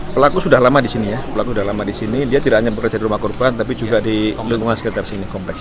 pelaku sudah lama di sini ya pelaku sudah lama di sini dia tidak hanya bekerja di rumah korban tapi juga di lingkungan sekitar sini kompleks